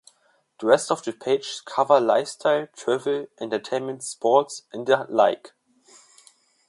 The rest of the pages cover lifestyle, travel, entertainment, sports, and the like.